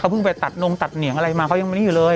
เพิ่งไปตัดนงตัดเหนียงอะไรมาเขายังไม่ได้อยู่เลย